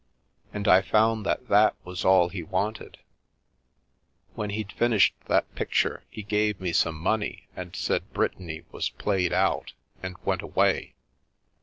And I found that that was all he wanted. When he'd finished that picture, he gave me some money and said Brittany was played out, and went away.